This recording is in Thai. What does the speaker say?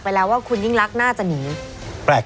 ไปแล้วว่าคุณยิ่งรักน่าจะหนีแปลก